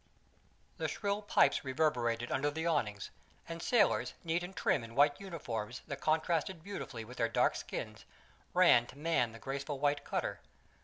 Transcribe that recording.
The shrill pipes reverberated under the awnings, and sailors, neat and trim in white uniforms that contrasted beautifully with their dark skins, ran to man the graceful white cutter.